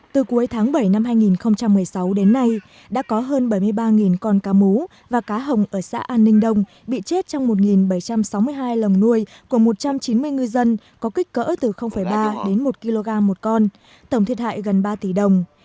từ cuối tháng bảy năm hai nghìn một mươi sáu đến nay đã có hơn bảy mươi ba con cá mú và cá hồng ở xã an ninh đông bị chết trong một bảy trăm sáu mươi hai lồng nuôi của một trăm chín mươi ngư dân có kích cỡ từ ba đến một kg một con tổng thiệt hại gần ba tỷ đồng